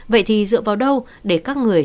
vậy thì dựa vào đâu để các người